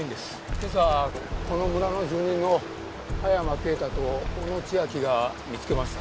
今朝この村の住人の羽山敬太と小野千秋が見つけました。